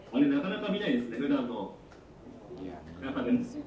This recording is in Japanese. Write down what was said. なかなか見ないですよね。